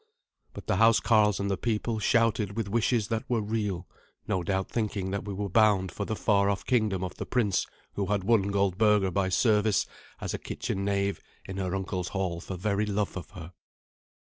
But the housecarls and the people shouted with wishes that were real, no doubt thinking that we were bound for the far off kingdom of the prince who had won Goldberga by service as a kitchen knave in her uncle's hall for very love of her.